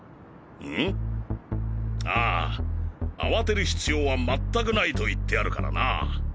あああわてる必要はまったくないと言ってあるからな。